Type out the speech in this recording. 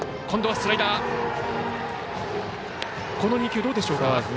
この２球、どうでしょう。